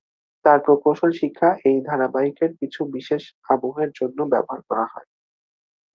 তাঁর প্রকৌশল শিক্ষা এই ধারাবাহিকের কিছু বিশেষ আবহের জন্য ব্যবহার করা হয়।